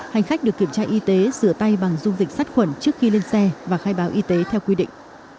hành khách được kiểm tra y tế sửa tay bằng dung dịch sát khuẩn trước khi lên xe và khai báo y tế theo quy định